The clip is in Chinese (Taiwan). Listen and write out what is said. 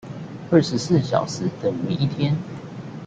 二十四小時等於一天